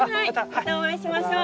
またお会いしましょう。